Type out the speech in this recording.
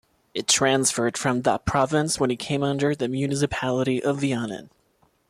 It transferred from that province when it came under the municipality of Vianen.